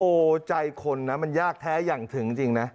โอ้โหใจคนนะมันยากแท้อย่างถึงจริงนะ